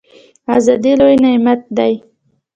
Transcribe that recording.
ازادي لوی نعمت دی